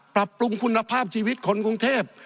ปรับปรุงคุณภาพชีวิตคนกรุงเทพ